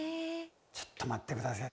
ちょっと待って下さい。